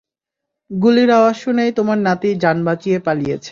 গুলির আওয়াজ শুনেই তোমার নাতি জান বাঁচিয়ে পালিয়েছে।